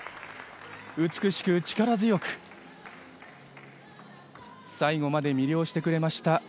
美しく力強く最後まで魅了してくれました。